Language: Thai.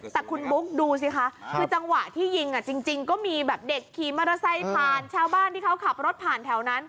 แต่คุณบุ๊คดูสิคะคือจังหวะที่ยิงจริงก็มีแบบเด็กขี่มอเตอร์ไซค์ผ่านชาวบ้านที่เขาขับรถผ่านแถวนั้น